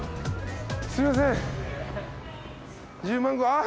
すいません。